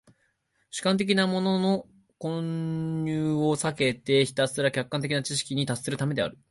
主観的なものの混入を避けてひたすら客観的な知識に達するためである。